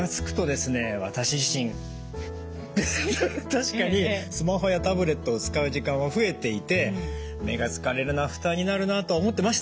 確かにスマホやタブレットを使う時間は増えていて目が疲れるな負担になるなとは思ってました。